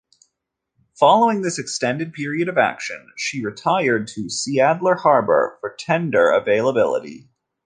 Following this extended period of action, she retired to Seeadler Harbor for tender availability.